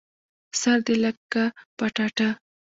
سر دي لکه پټاټه